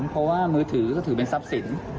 เพราะว่ามือถือก็ถือเป็นทรัพย์สิน